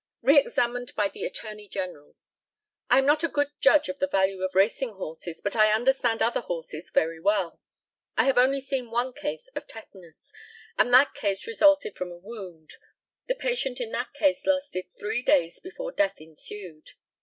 Re examined by the ATTORNEY GENERAL: I am not a good judge of the value of racing horses, but I understand other horses very well. I have only seen one case of tetanus, and that case resulted from a wound. The patient in that case lasted three days before death ensued.